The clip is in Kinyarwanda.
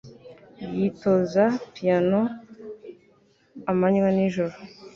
Yitoza piyano amanywa n'ijoro